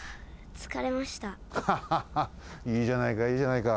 ハハハいいじゃないかいいじゃないか。